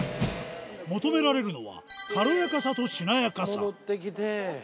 求められるのは、軽やかさとしなやかさ。